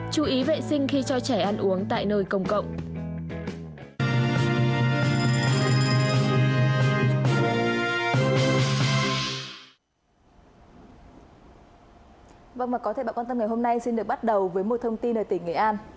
chú ý vệ sinh khi cho trẻ ăn uống tại nơi công cộng